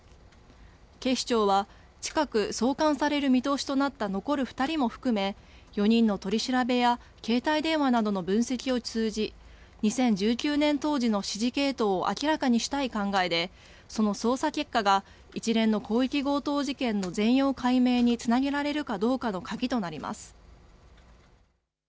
警視庁は近く送還される見通しとなった残る２人も含め４人の取り調べや携帯電話などの分析を通じ２０１９年当時の指示系統を明らかにしたい考えでその捜査結果が一連の広域強盗事件の全容解明につなげられるかどうかの鍵となります。